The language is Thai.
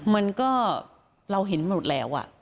มันก็เราเห็นหมดแล้ว